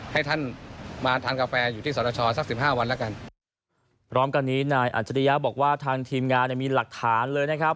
ให้ท่านมาทานกาแฟอยู่ที่สรชอสักสิบห้าวันแล้วกันพร้อมกันนี้นายอัจฉริยะบอกว่าทางทีมงานเนี่ยมีหลักฐานเลยนะครับ